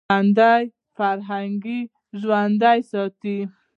ژوندي فرهنګ ژوندی ساتي